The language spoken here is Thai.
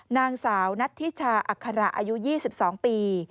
นางสาวนัทธิชาอัคระอายุ๒๒ปี